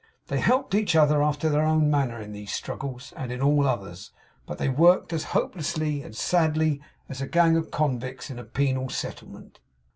They helped each other after their own manner in these struggles, and in all others; but they worked as hopelessly and sadly as a gang of convicts in a penal settlement.